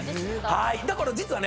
だから実はね